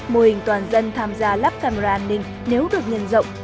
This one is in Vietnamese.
mô hình toàn dân tham gia lắp camera an ninh nếu được nhân rộng